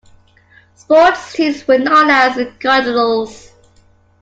Sports teams were known as the Cardinals.